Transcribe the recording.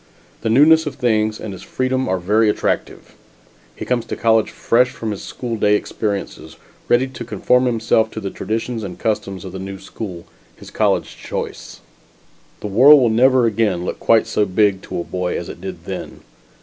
The newness of things and his freedom are very attractive. He comes to college fresh from his school day experiences ready to conform himself to the traditions and customs of the new school, his college choice. The world will never again look quite so big to a boy as it did then.